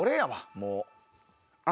もう。